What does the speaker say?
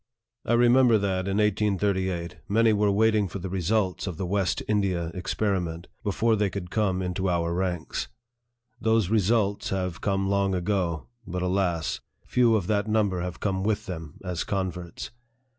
I remember that, in 1838, many were waiting for the results of the West India experiment, before they could come into our ranks. Those " results " have come long ago ; but, alas ! few of that number have come with them, as converts.